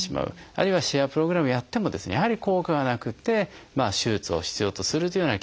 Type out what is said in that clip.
あるいはシェアプログラムをやってもやはり効果がなくて手術を必要とするというようなケースもあるんですね。